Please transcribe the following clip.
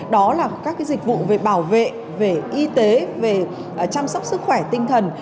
đó là các dịch vụ về bảo vệ về y tế về chăm sóc sức khỏe tinh thần